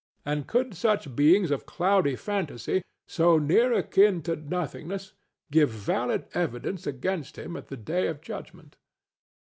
And could such beings of cloudy fantasy, so near akin to nothingness, give valid evidence against him at the day of judgment?